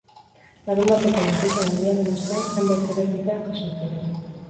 Larunbateko lurrikara handiaren ostean, hainbat erreplika jazo ziren.